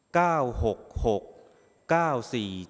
ออกรางวัลที่๖